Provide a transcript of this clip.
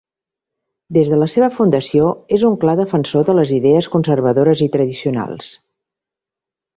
Des de la seva fundació és un clar defensor de les idees conservadores i tradicionals.